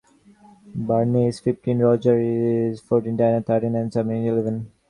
Barney is fifteen, Roger is fourteen, Diana is thirteen, and Snubby is eleven.